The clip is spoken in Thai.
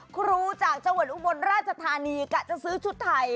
ครูจากจังหวัดอุบลราชธานีกะจะซื้อชุดไทย